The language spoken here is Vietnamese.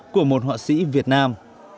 của một họa sĩ việt nam